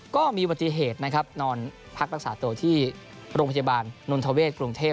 ก็มีปฏิเหตุนะครับนอนพักปรักษาโตที่โรงพยาบาลนทวเวชกรุงเทพ